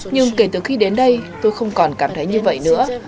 nhưng kể từ khi đến đây tôi không còn cảm thấy như vậy nữa